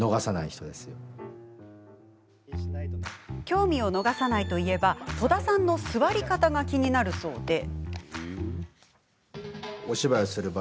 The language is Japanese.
興味を逃さないといえば戸田さんの座り方が気になるそうで。